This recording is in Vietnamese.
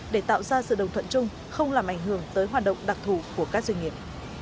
để tạo ra sự đồng thuận chung không làm ảnh hưởng tới hoạt động đặc thù của các doanh nghiệp